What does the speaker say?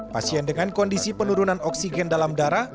pasien dengan kondisi penurunan oksigen dalam darah